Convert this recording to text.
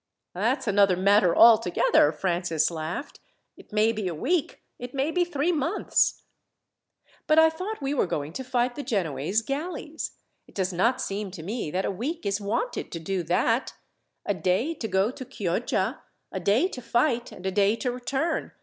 "That's another matter altogether," Francis laughed. "It may be a week, it may be three months." "But I thought we were going to fight the Genoese galleys. It does not seem to me that a week is wanted to do that. A day to go to Chioggia, a day to fight, and a day to return.